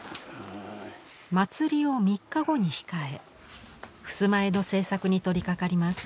祭りを３日後に控え襖絵の制作に取りかかります。